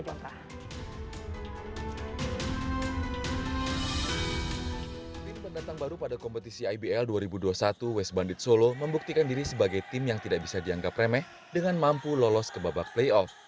tim pendatang baru pada kompetisi ibl dua ribu dua puluh satu west bandit solo membuktikan diri sebagai tim yang tidak bisa dianggap remeh dengan mampu lolos ke babak playoff